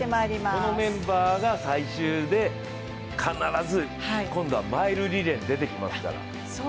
このメンバーが最終で必ず今度はマイルリレーに出てきますから。